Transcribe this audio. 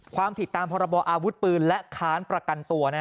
ความผิดตามพรบอาวุธปืนและค้านประกันตัว